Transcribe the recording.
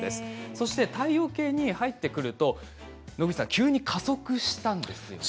そして太陽系に入ってくると急に加速したんですよね。